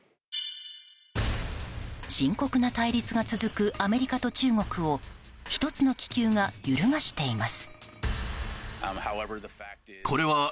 深刻な対立が続くアメリカと中国を１つの気球が揺るがしています。